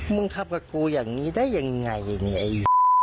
มึงทำกับกูอย่างนี้ได้ยังไงเนี่ยไอ้